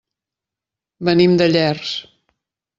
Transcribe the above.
Venim de Llers.